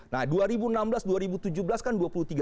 nah dua ribu enam belas dua ribu tujuh belas kan dua puluh tiga